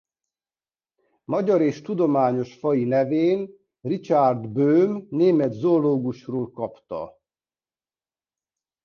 Magyar és tudományos faji nevét Richard Böhm német zoológusról kapta.